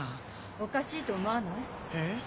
おかしいと思わない？え？